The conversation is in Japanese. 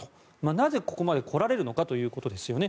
なぜここまで来られるのかということですよね。